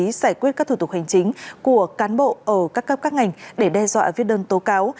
giải quyết các thủ tục hành chính của cán bộ ở các cấp các ngành để đe dọa viết đơn tố cáo